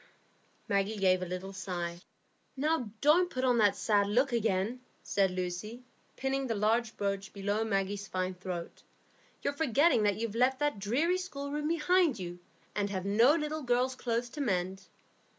Maggie gave a little sigh. "Now, don't put on that sad look again," said Lucy, pinning the large brooch below Maggie's fine throat. "You're forgetting that you've left that dreary schoolroom behind you, and have no little girls' clothes to mend."